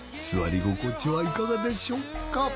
座り心地はいかがでしょうか？